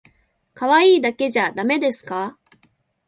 可愛いだけじゃだめですか？